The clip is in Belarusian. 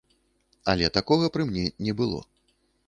Але такога пры мне не было.